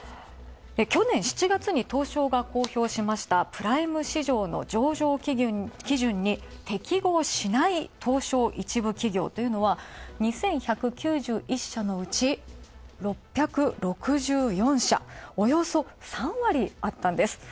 去年７月に東証が公表したプライム市場の上場基準に適合しない東証１部企業というのは２１９１社のうち６６４社、およそ３割あった。